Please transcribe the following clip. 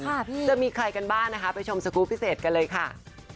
จะมีใครกันบ้างนะคะไปชมสกรูปพิเศษกันเลยค่ะ